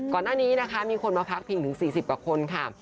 ก่อนหน้านี้นะคะมีคนมาพักพิงถึง๔๐กว่าคนค่ะ